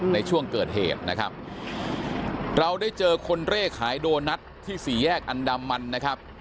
ในช่วงเกิดเหตุนะครับเราได้เจอคนเร่ขายโดนัทที่สี่แยกอันดามันนะครับ